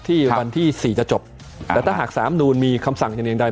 วันที่สี่จะจบแต่ถ้าหากสามนูลมีคำสั่งเห็นอย่างใด